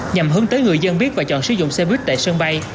nhằm hướng tới người dân biết và chọn sử dụng xe buýt tại sân bay